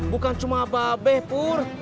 bukan cuma babeh pur